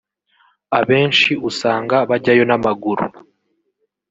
Abenshi usanga bajyayo n’amaguru